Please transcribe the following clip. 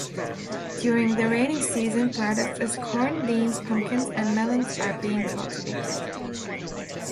During the raining season products as corn, beans, pumpkins and melons are being cultivated.